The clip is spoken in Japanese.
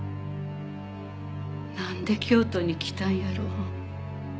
なんで京都に来たんやろ。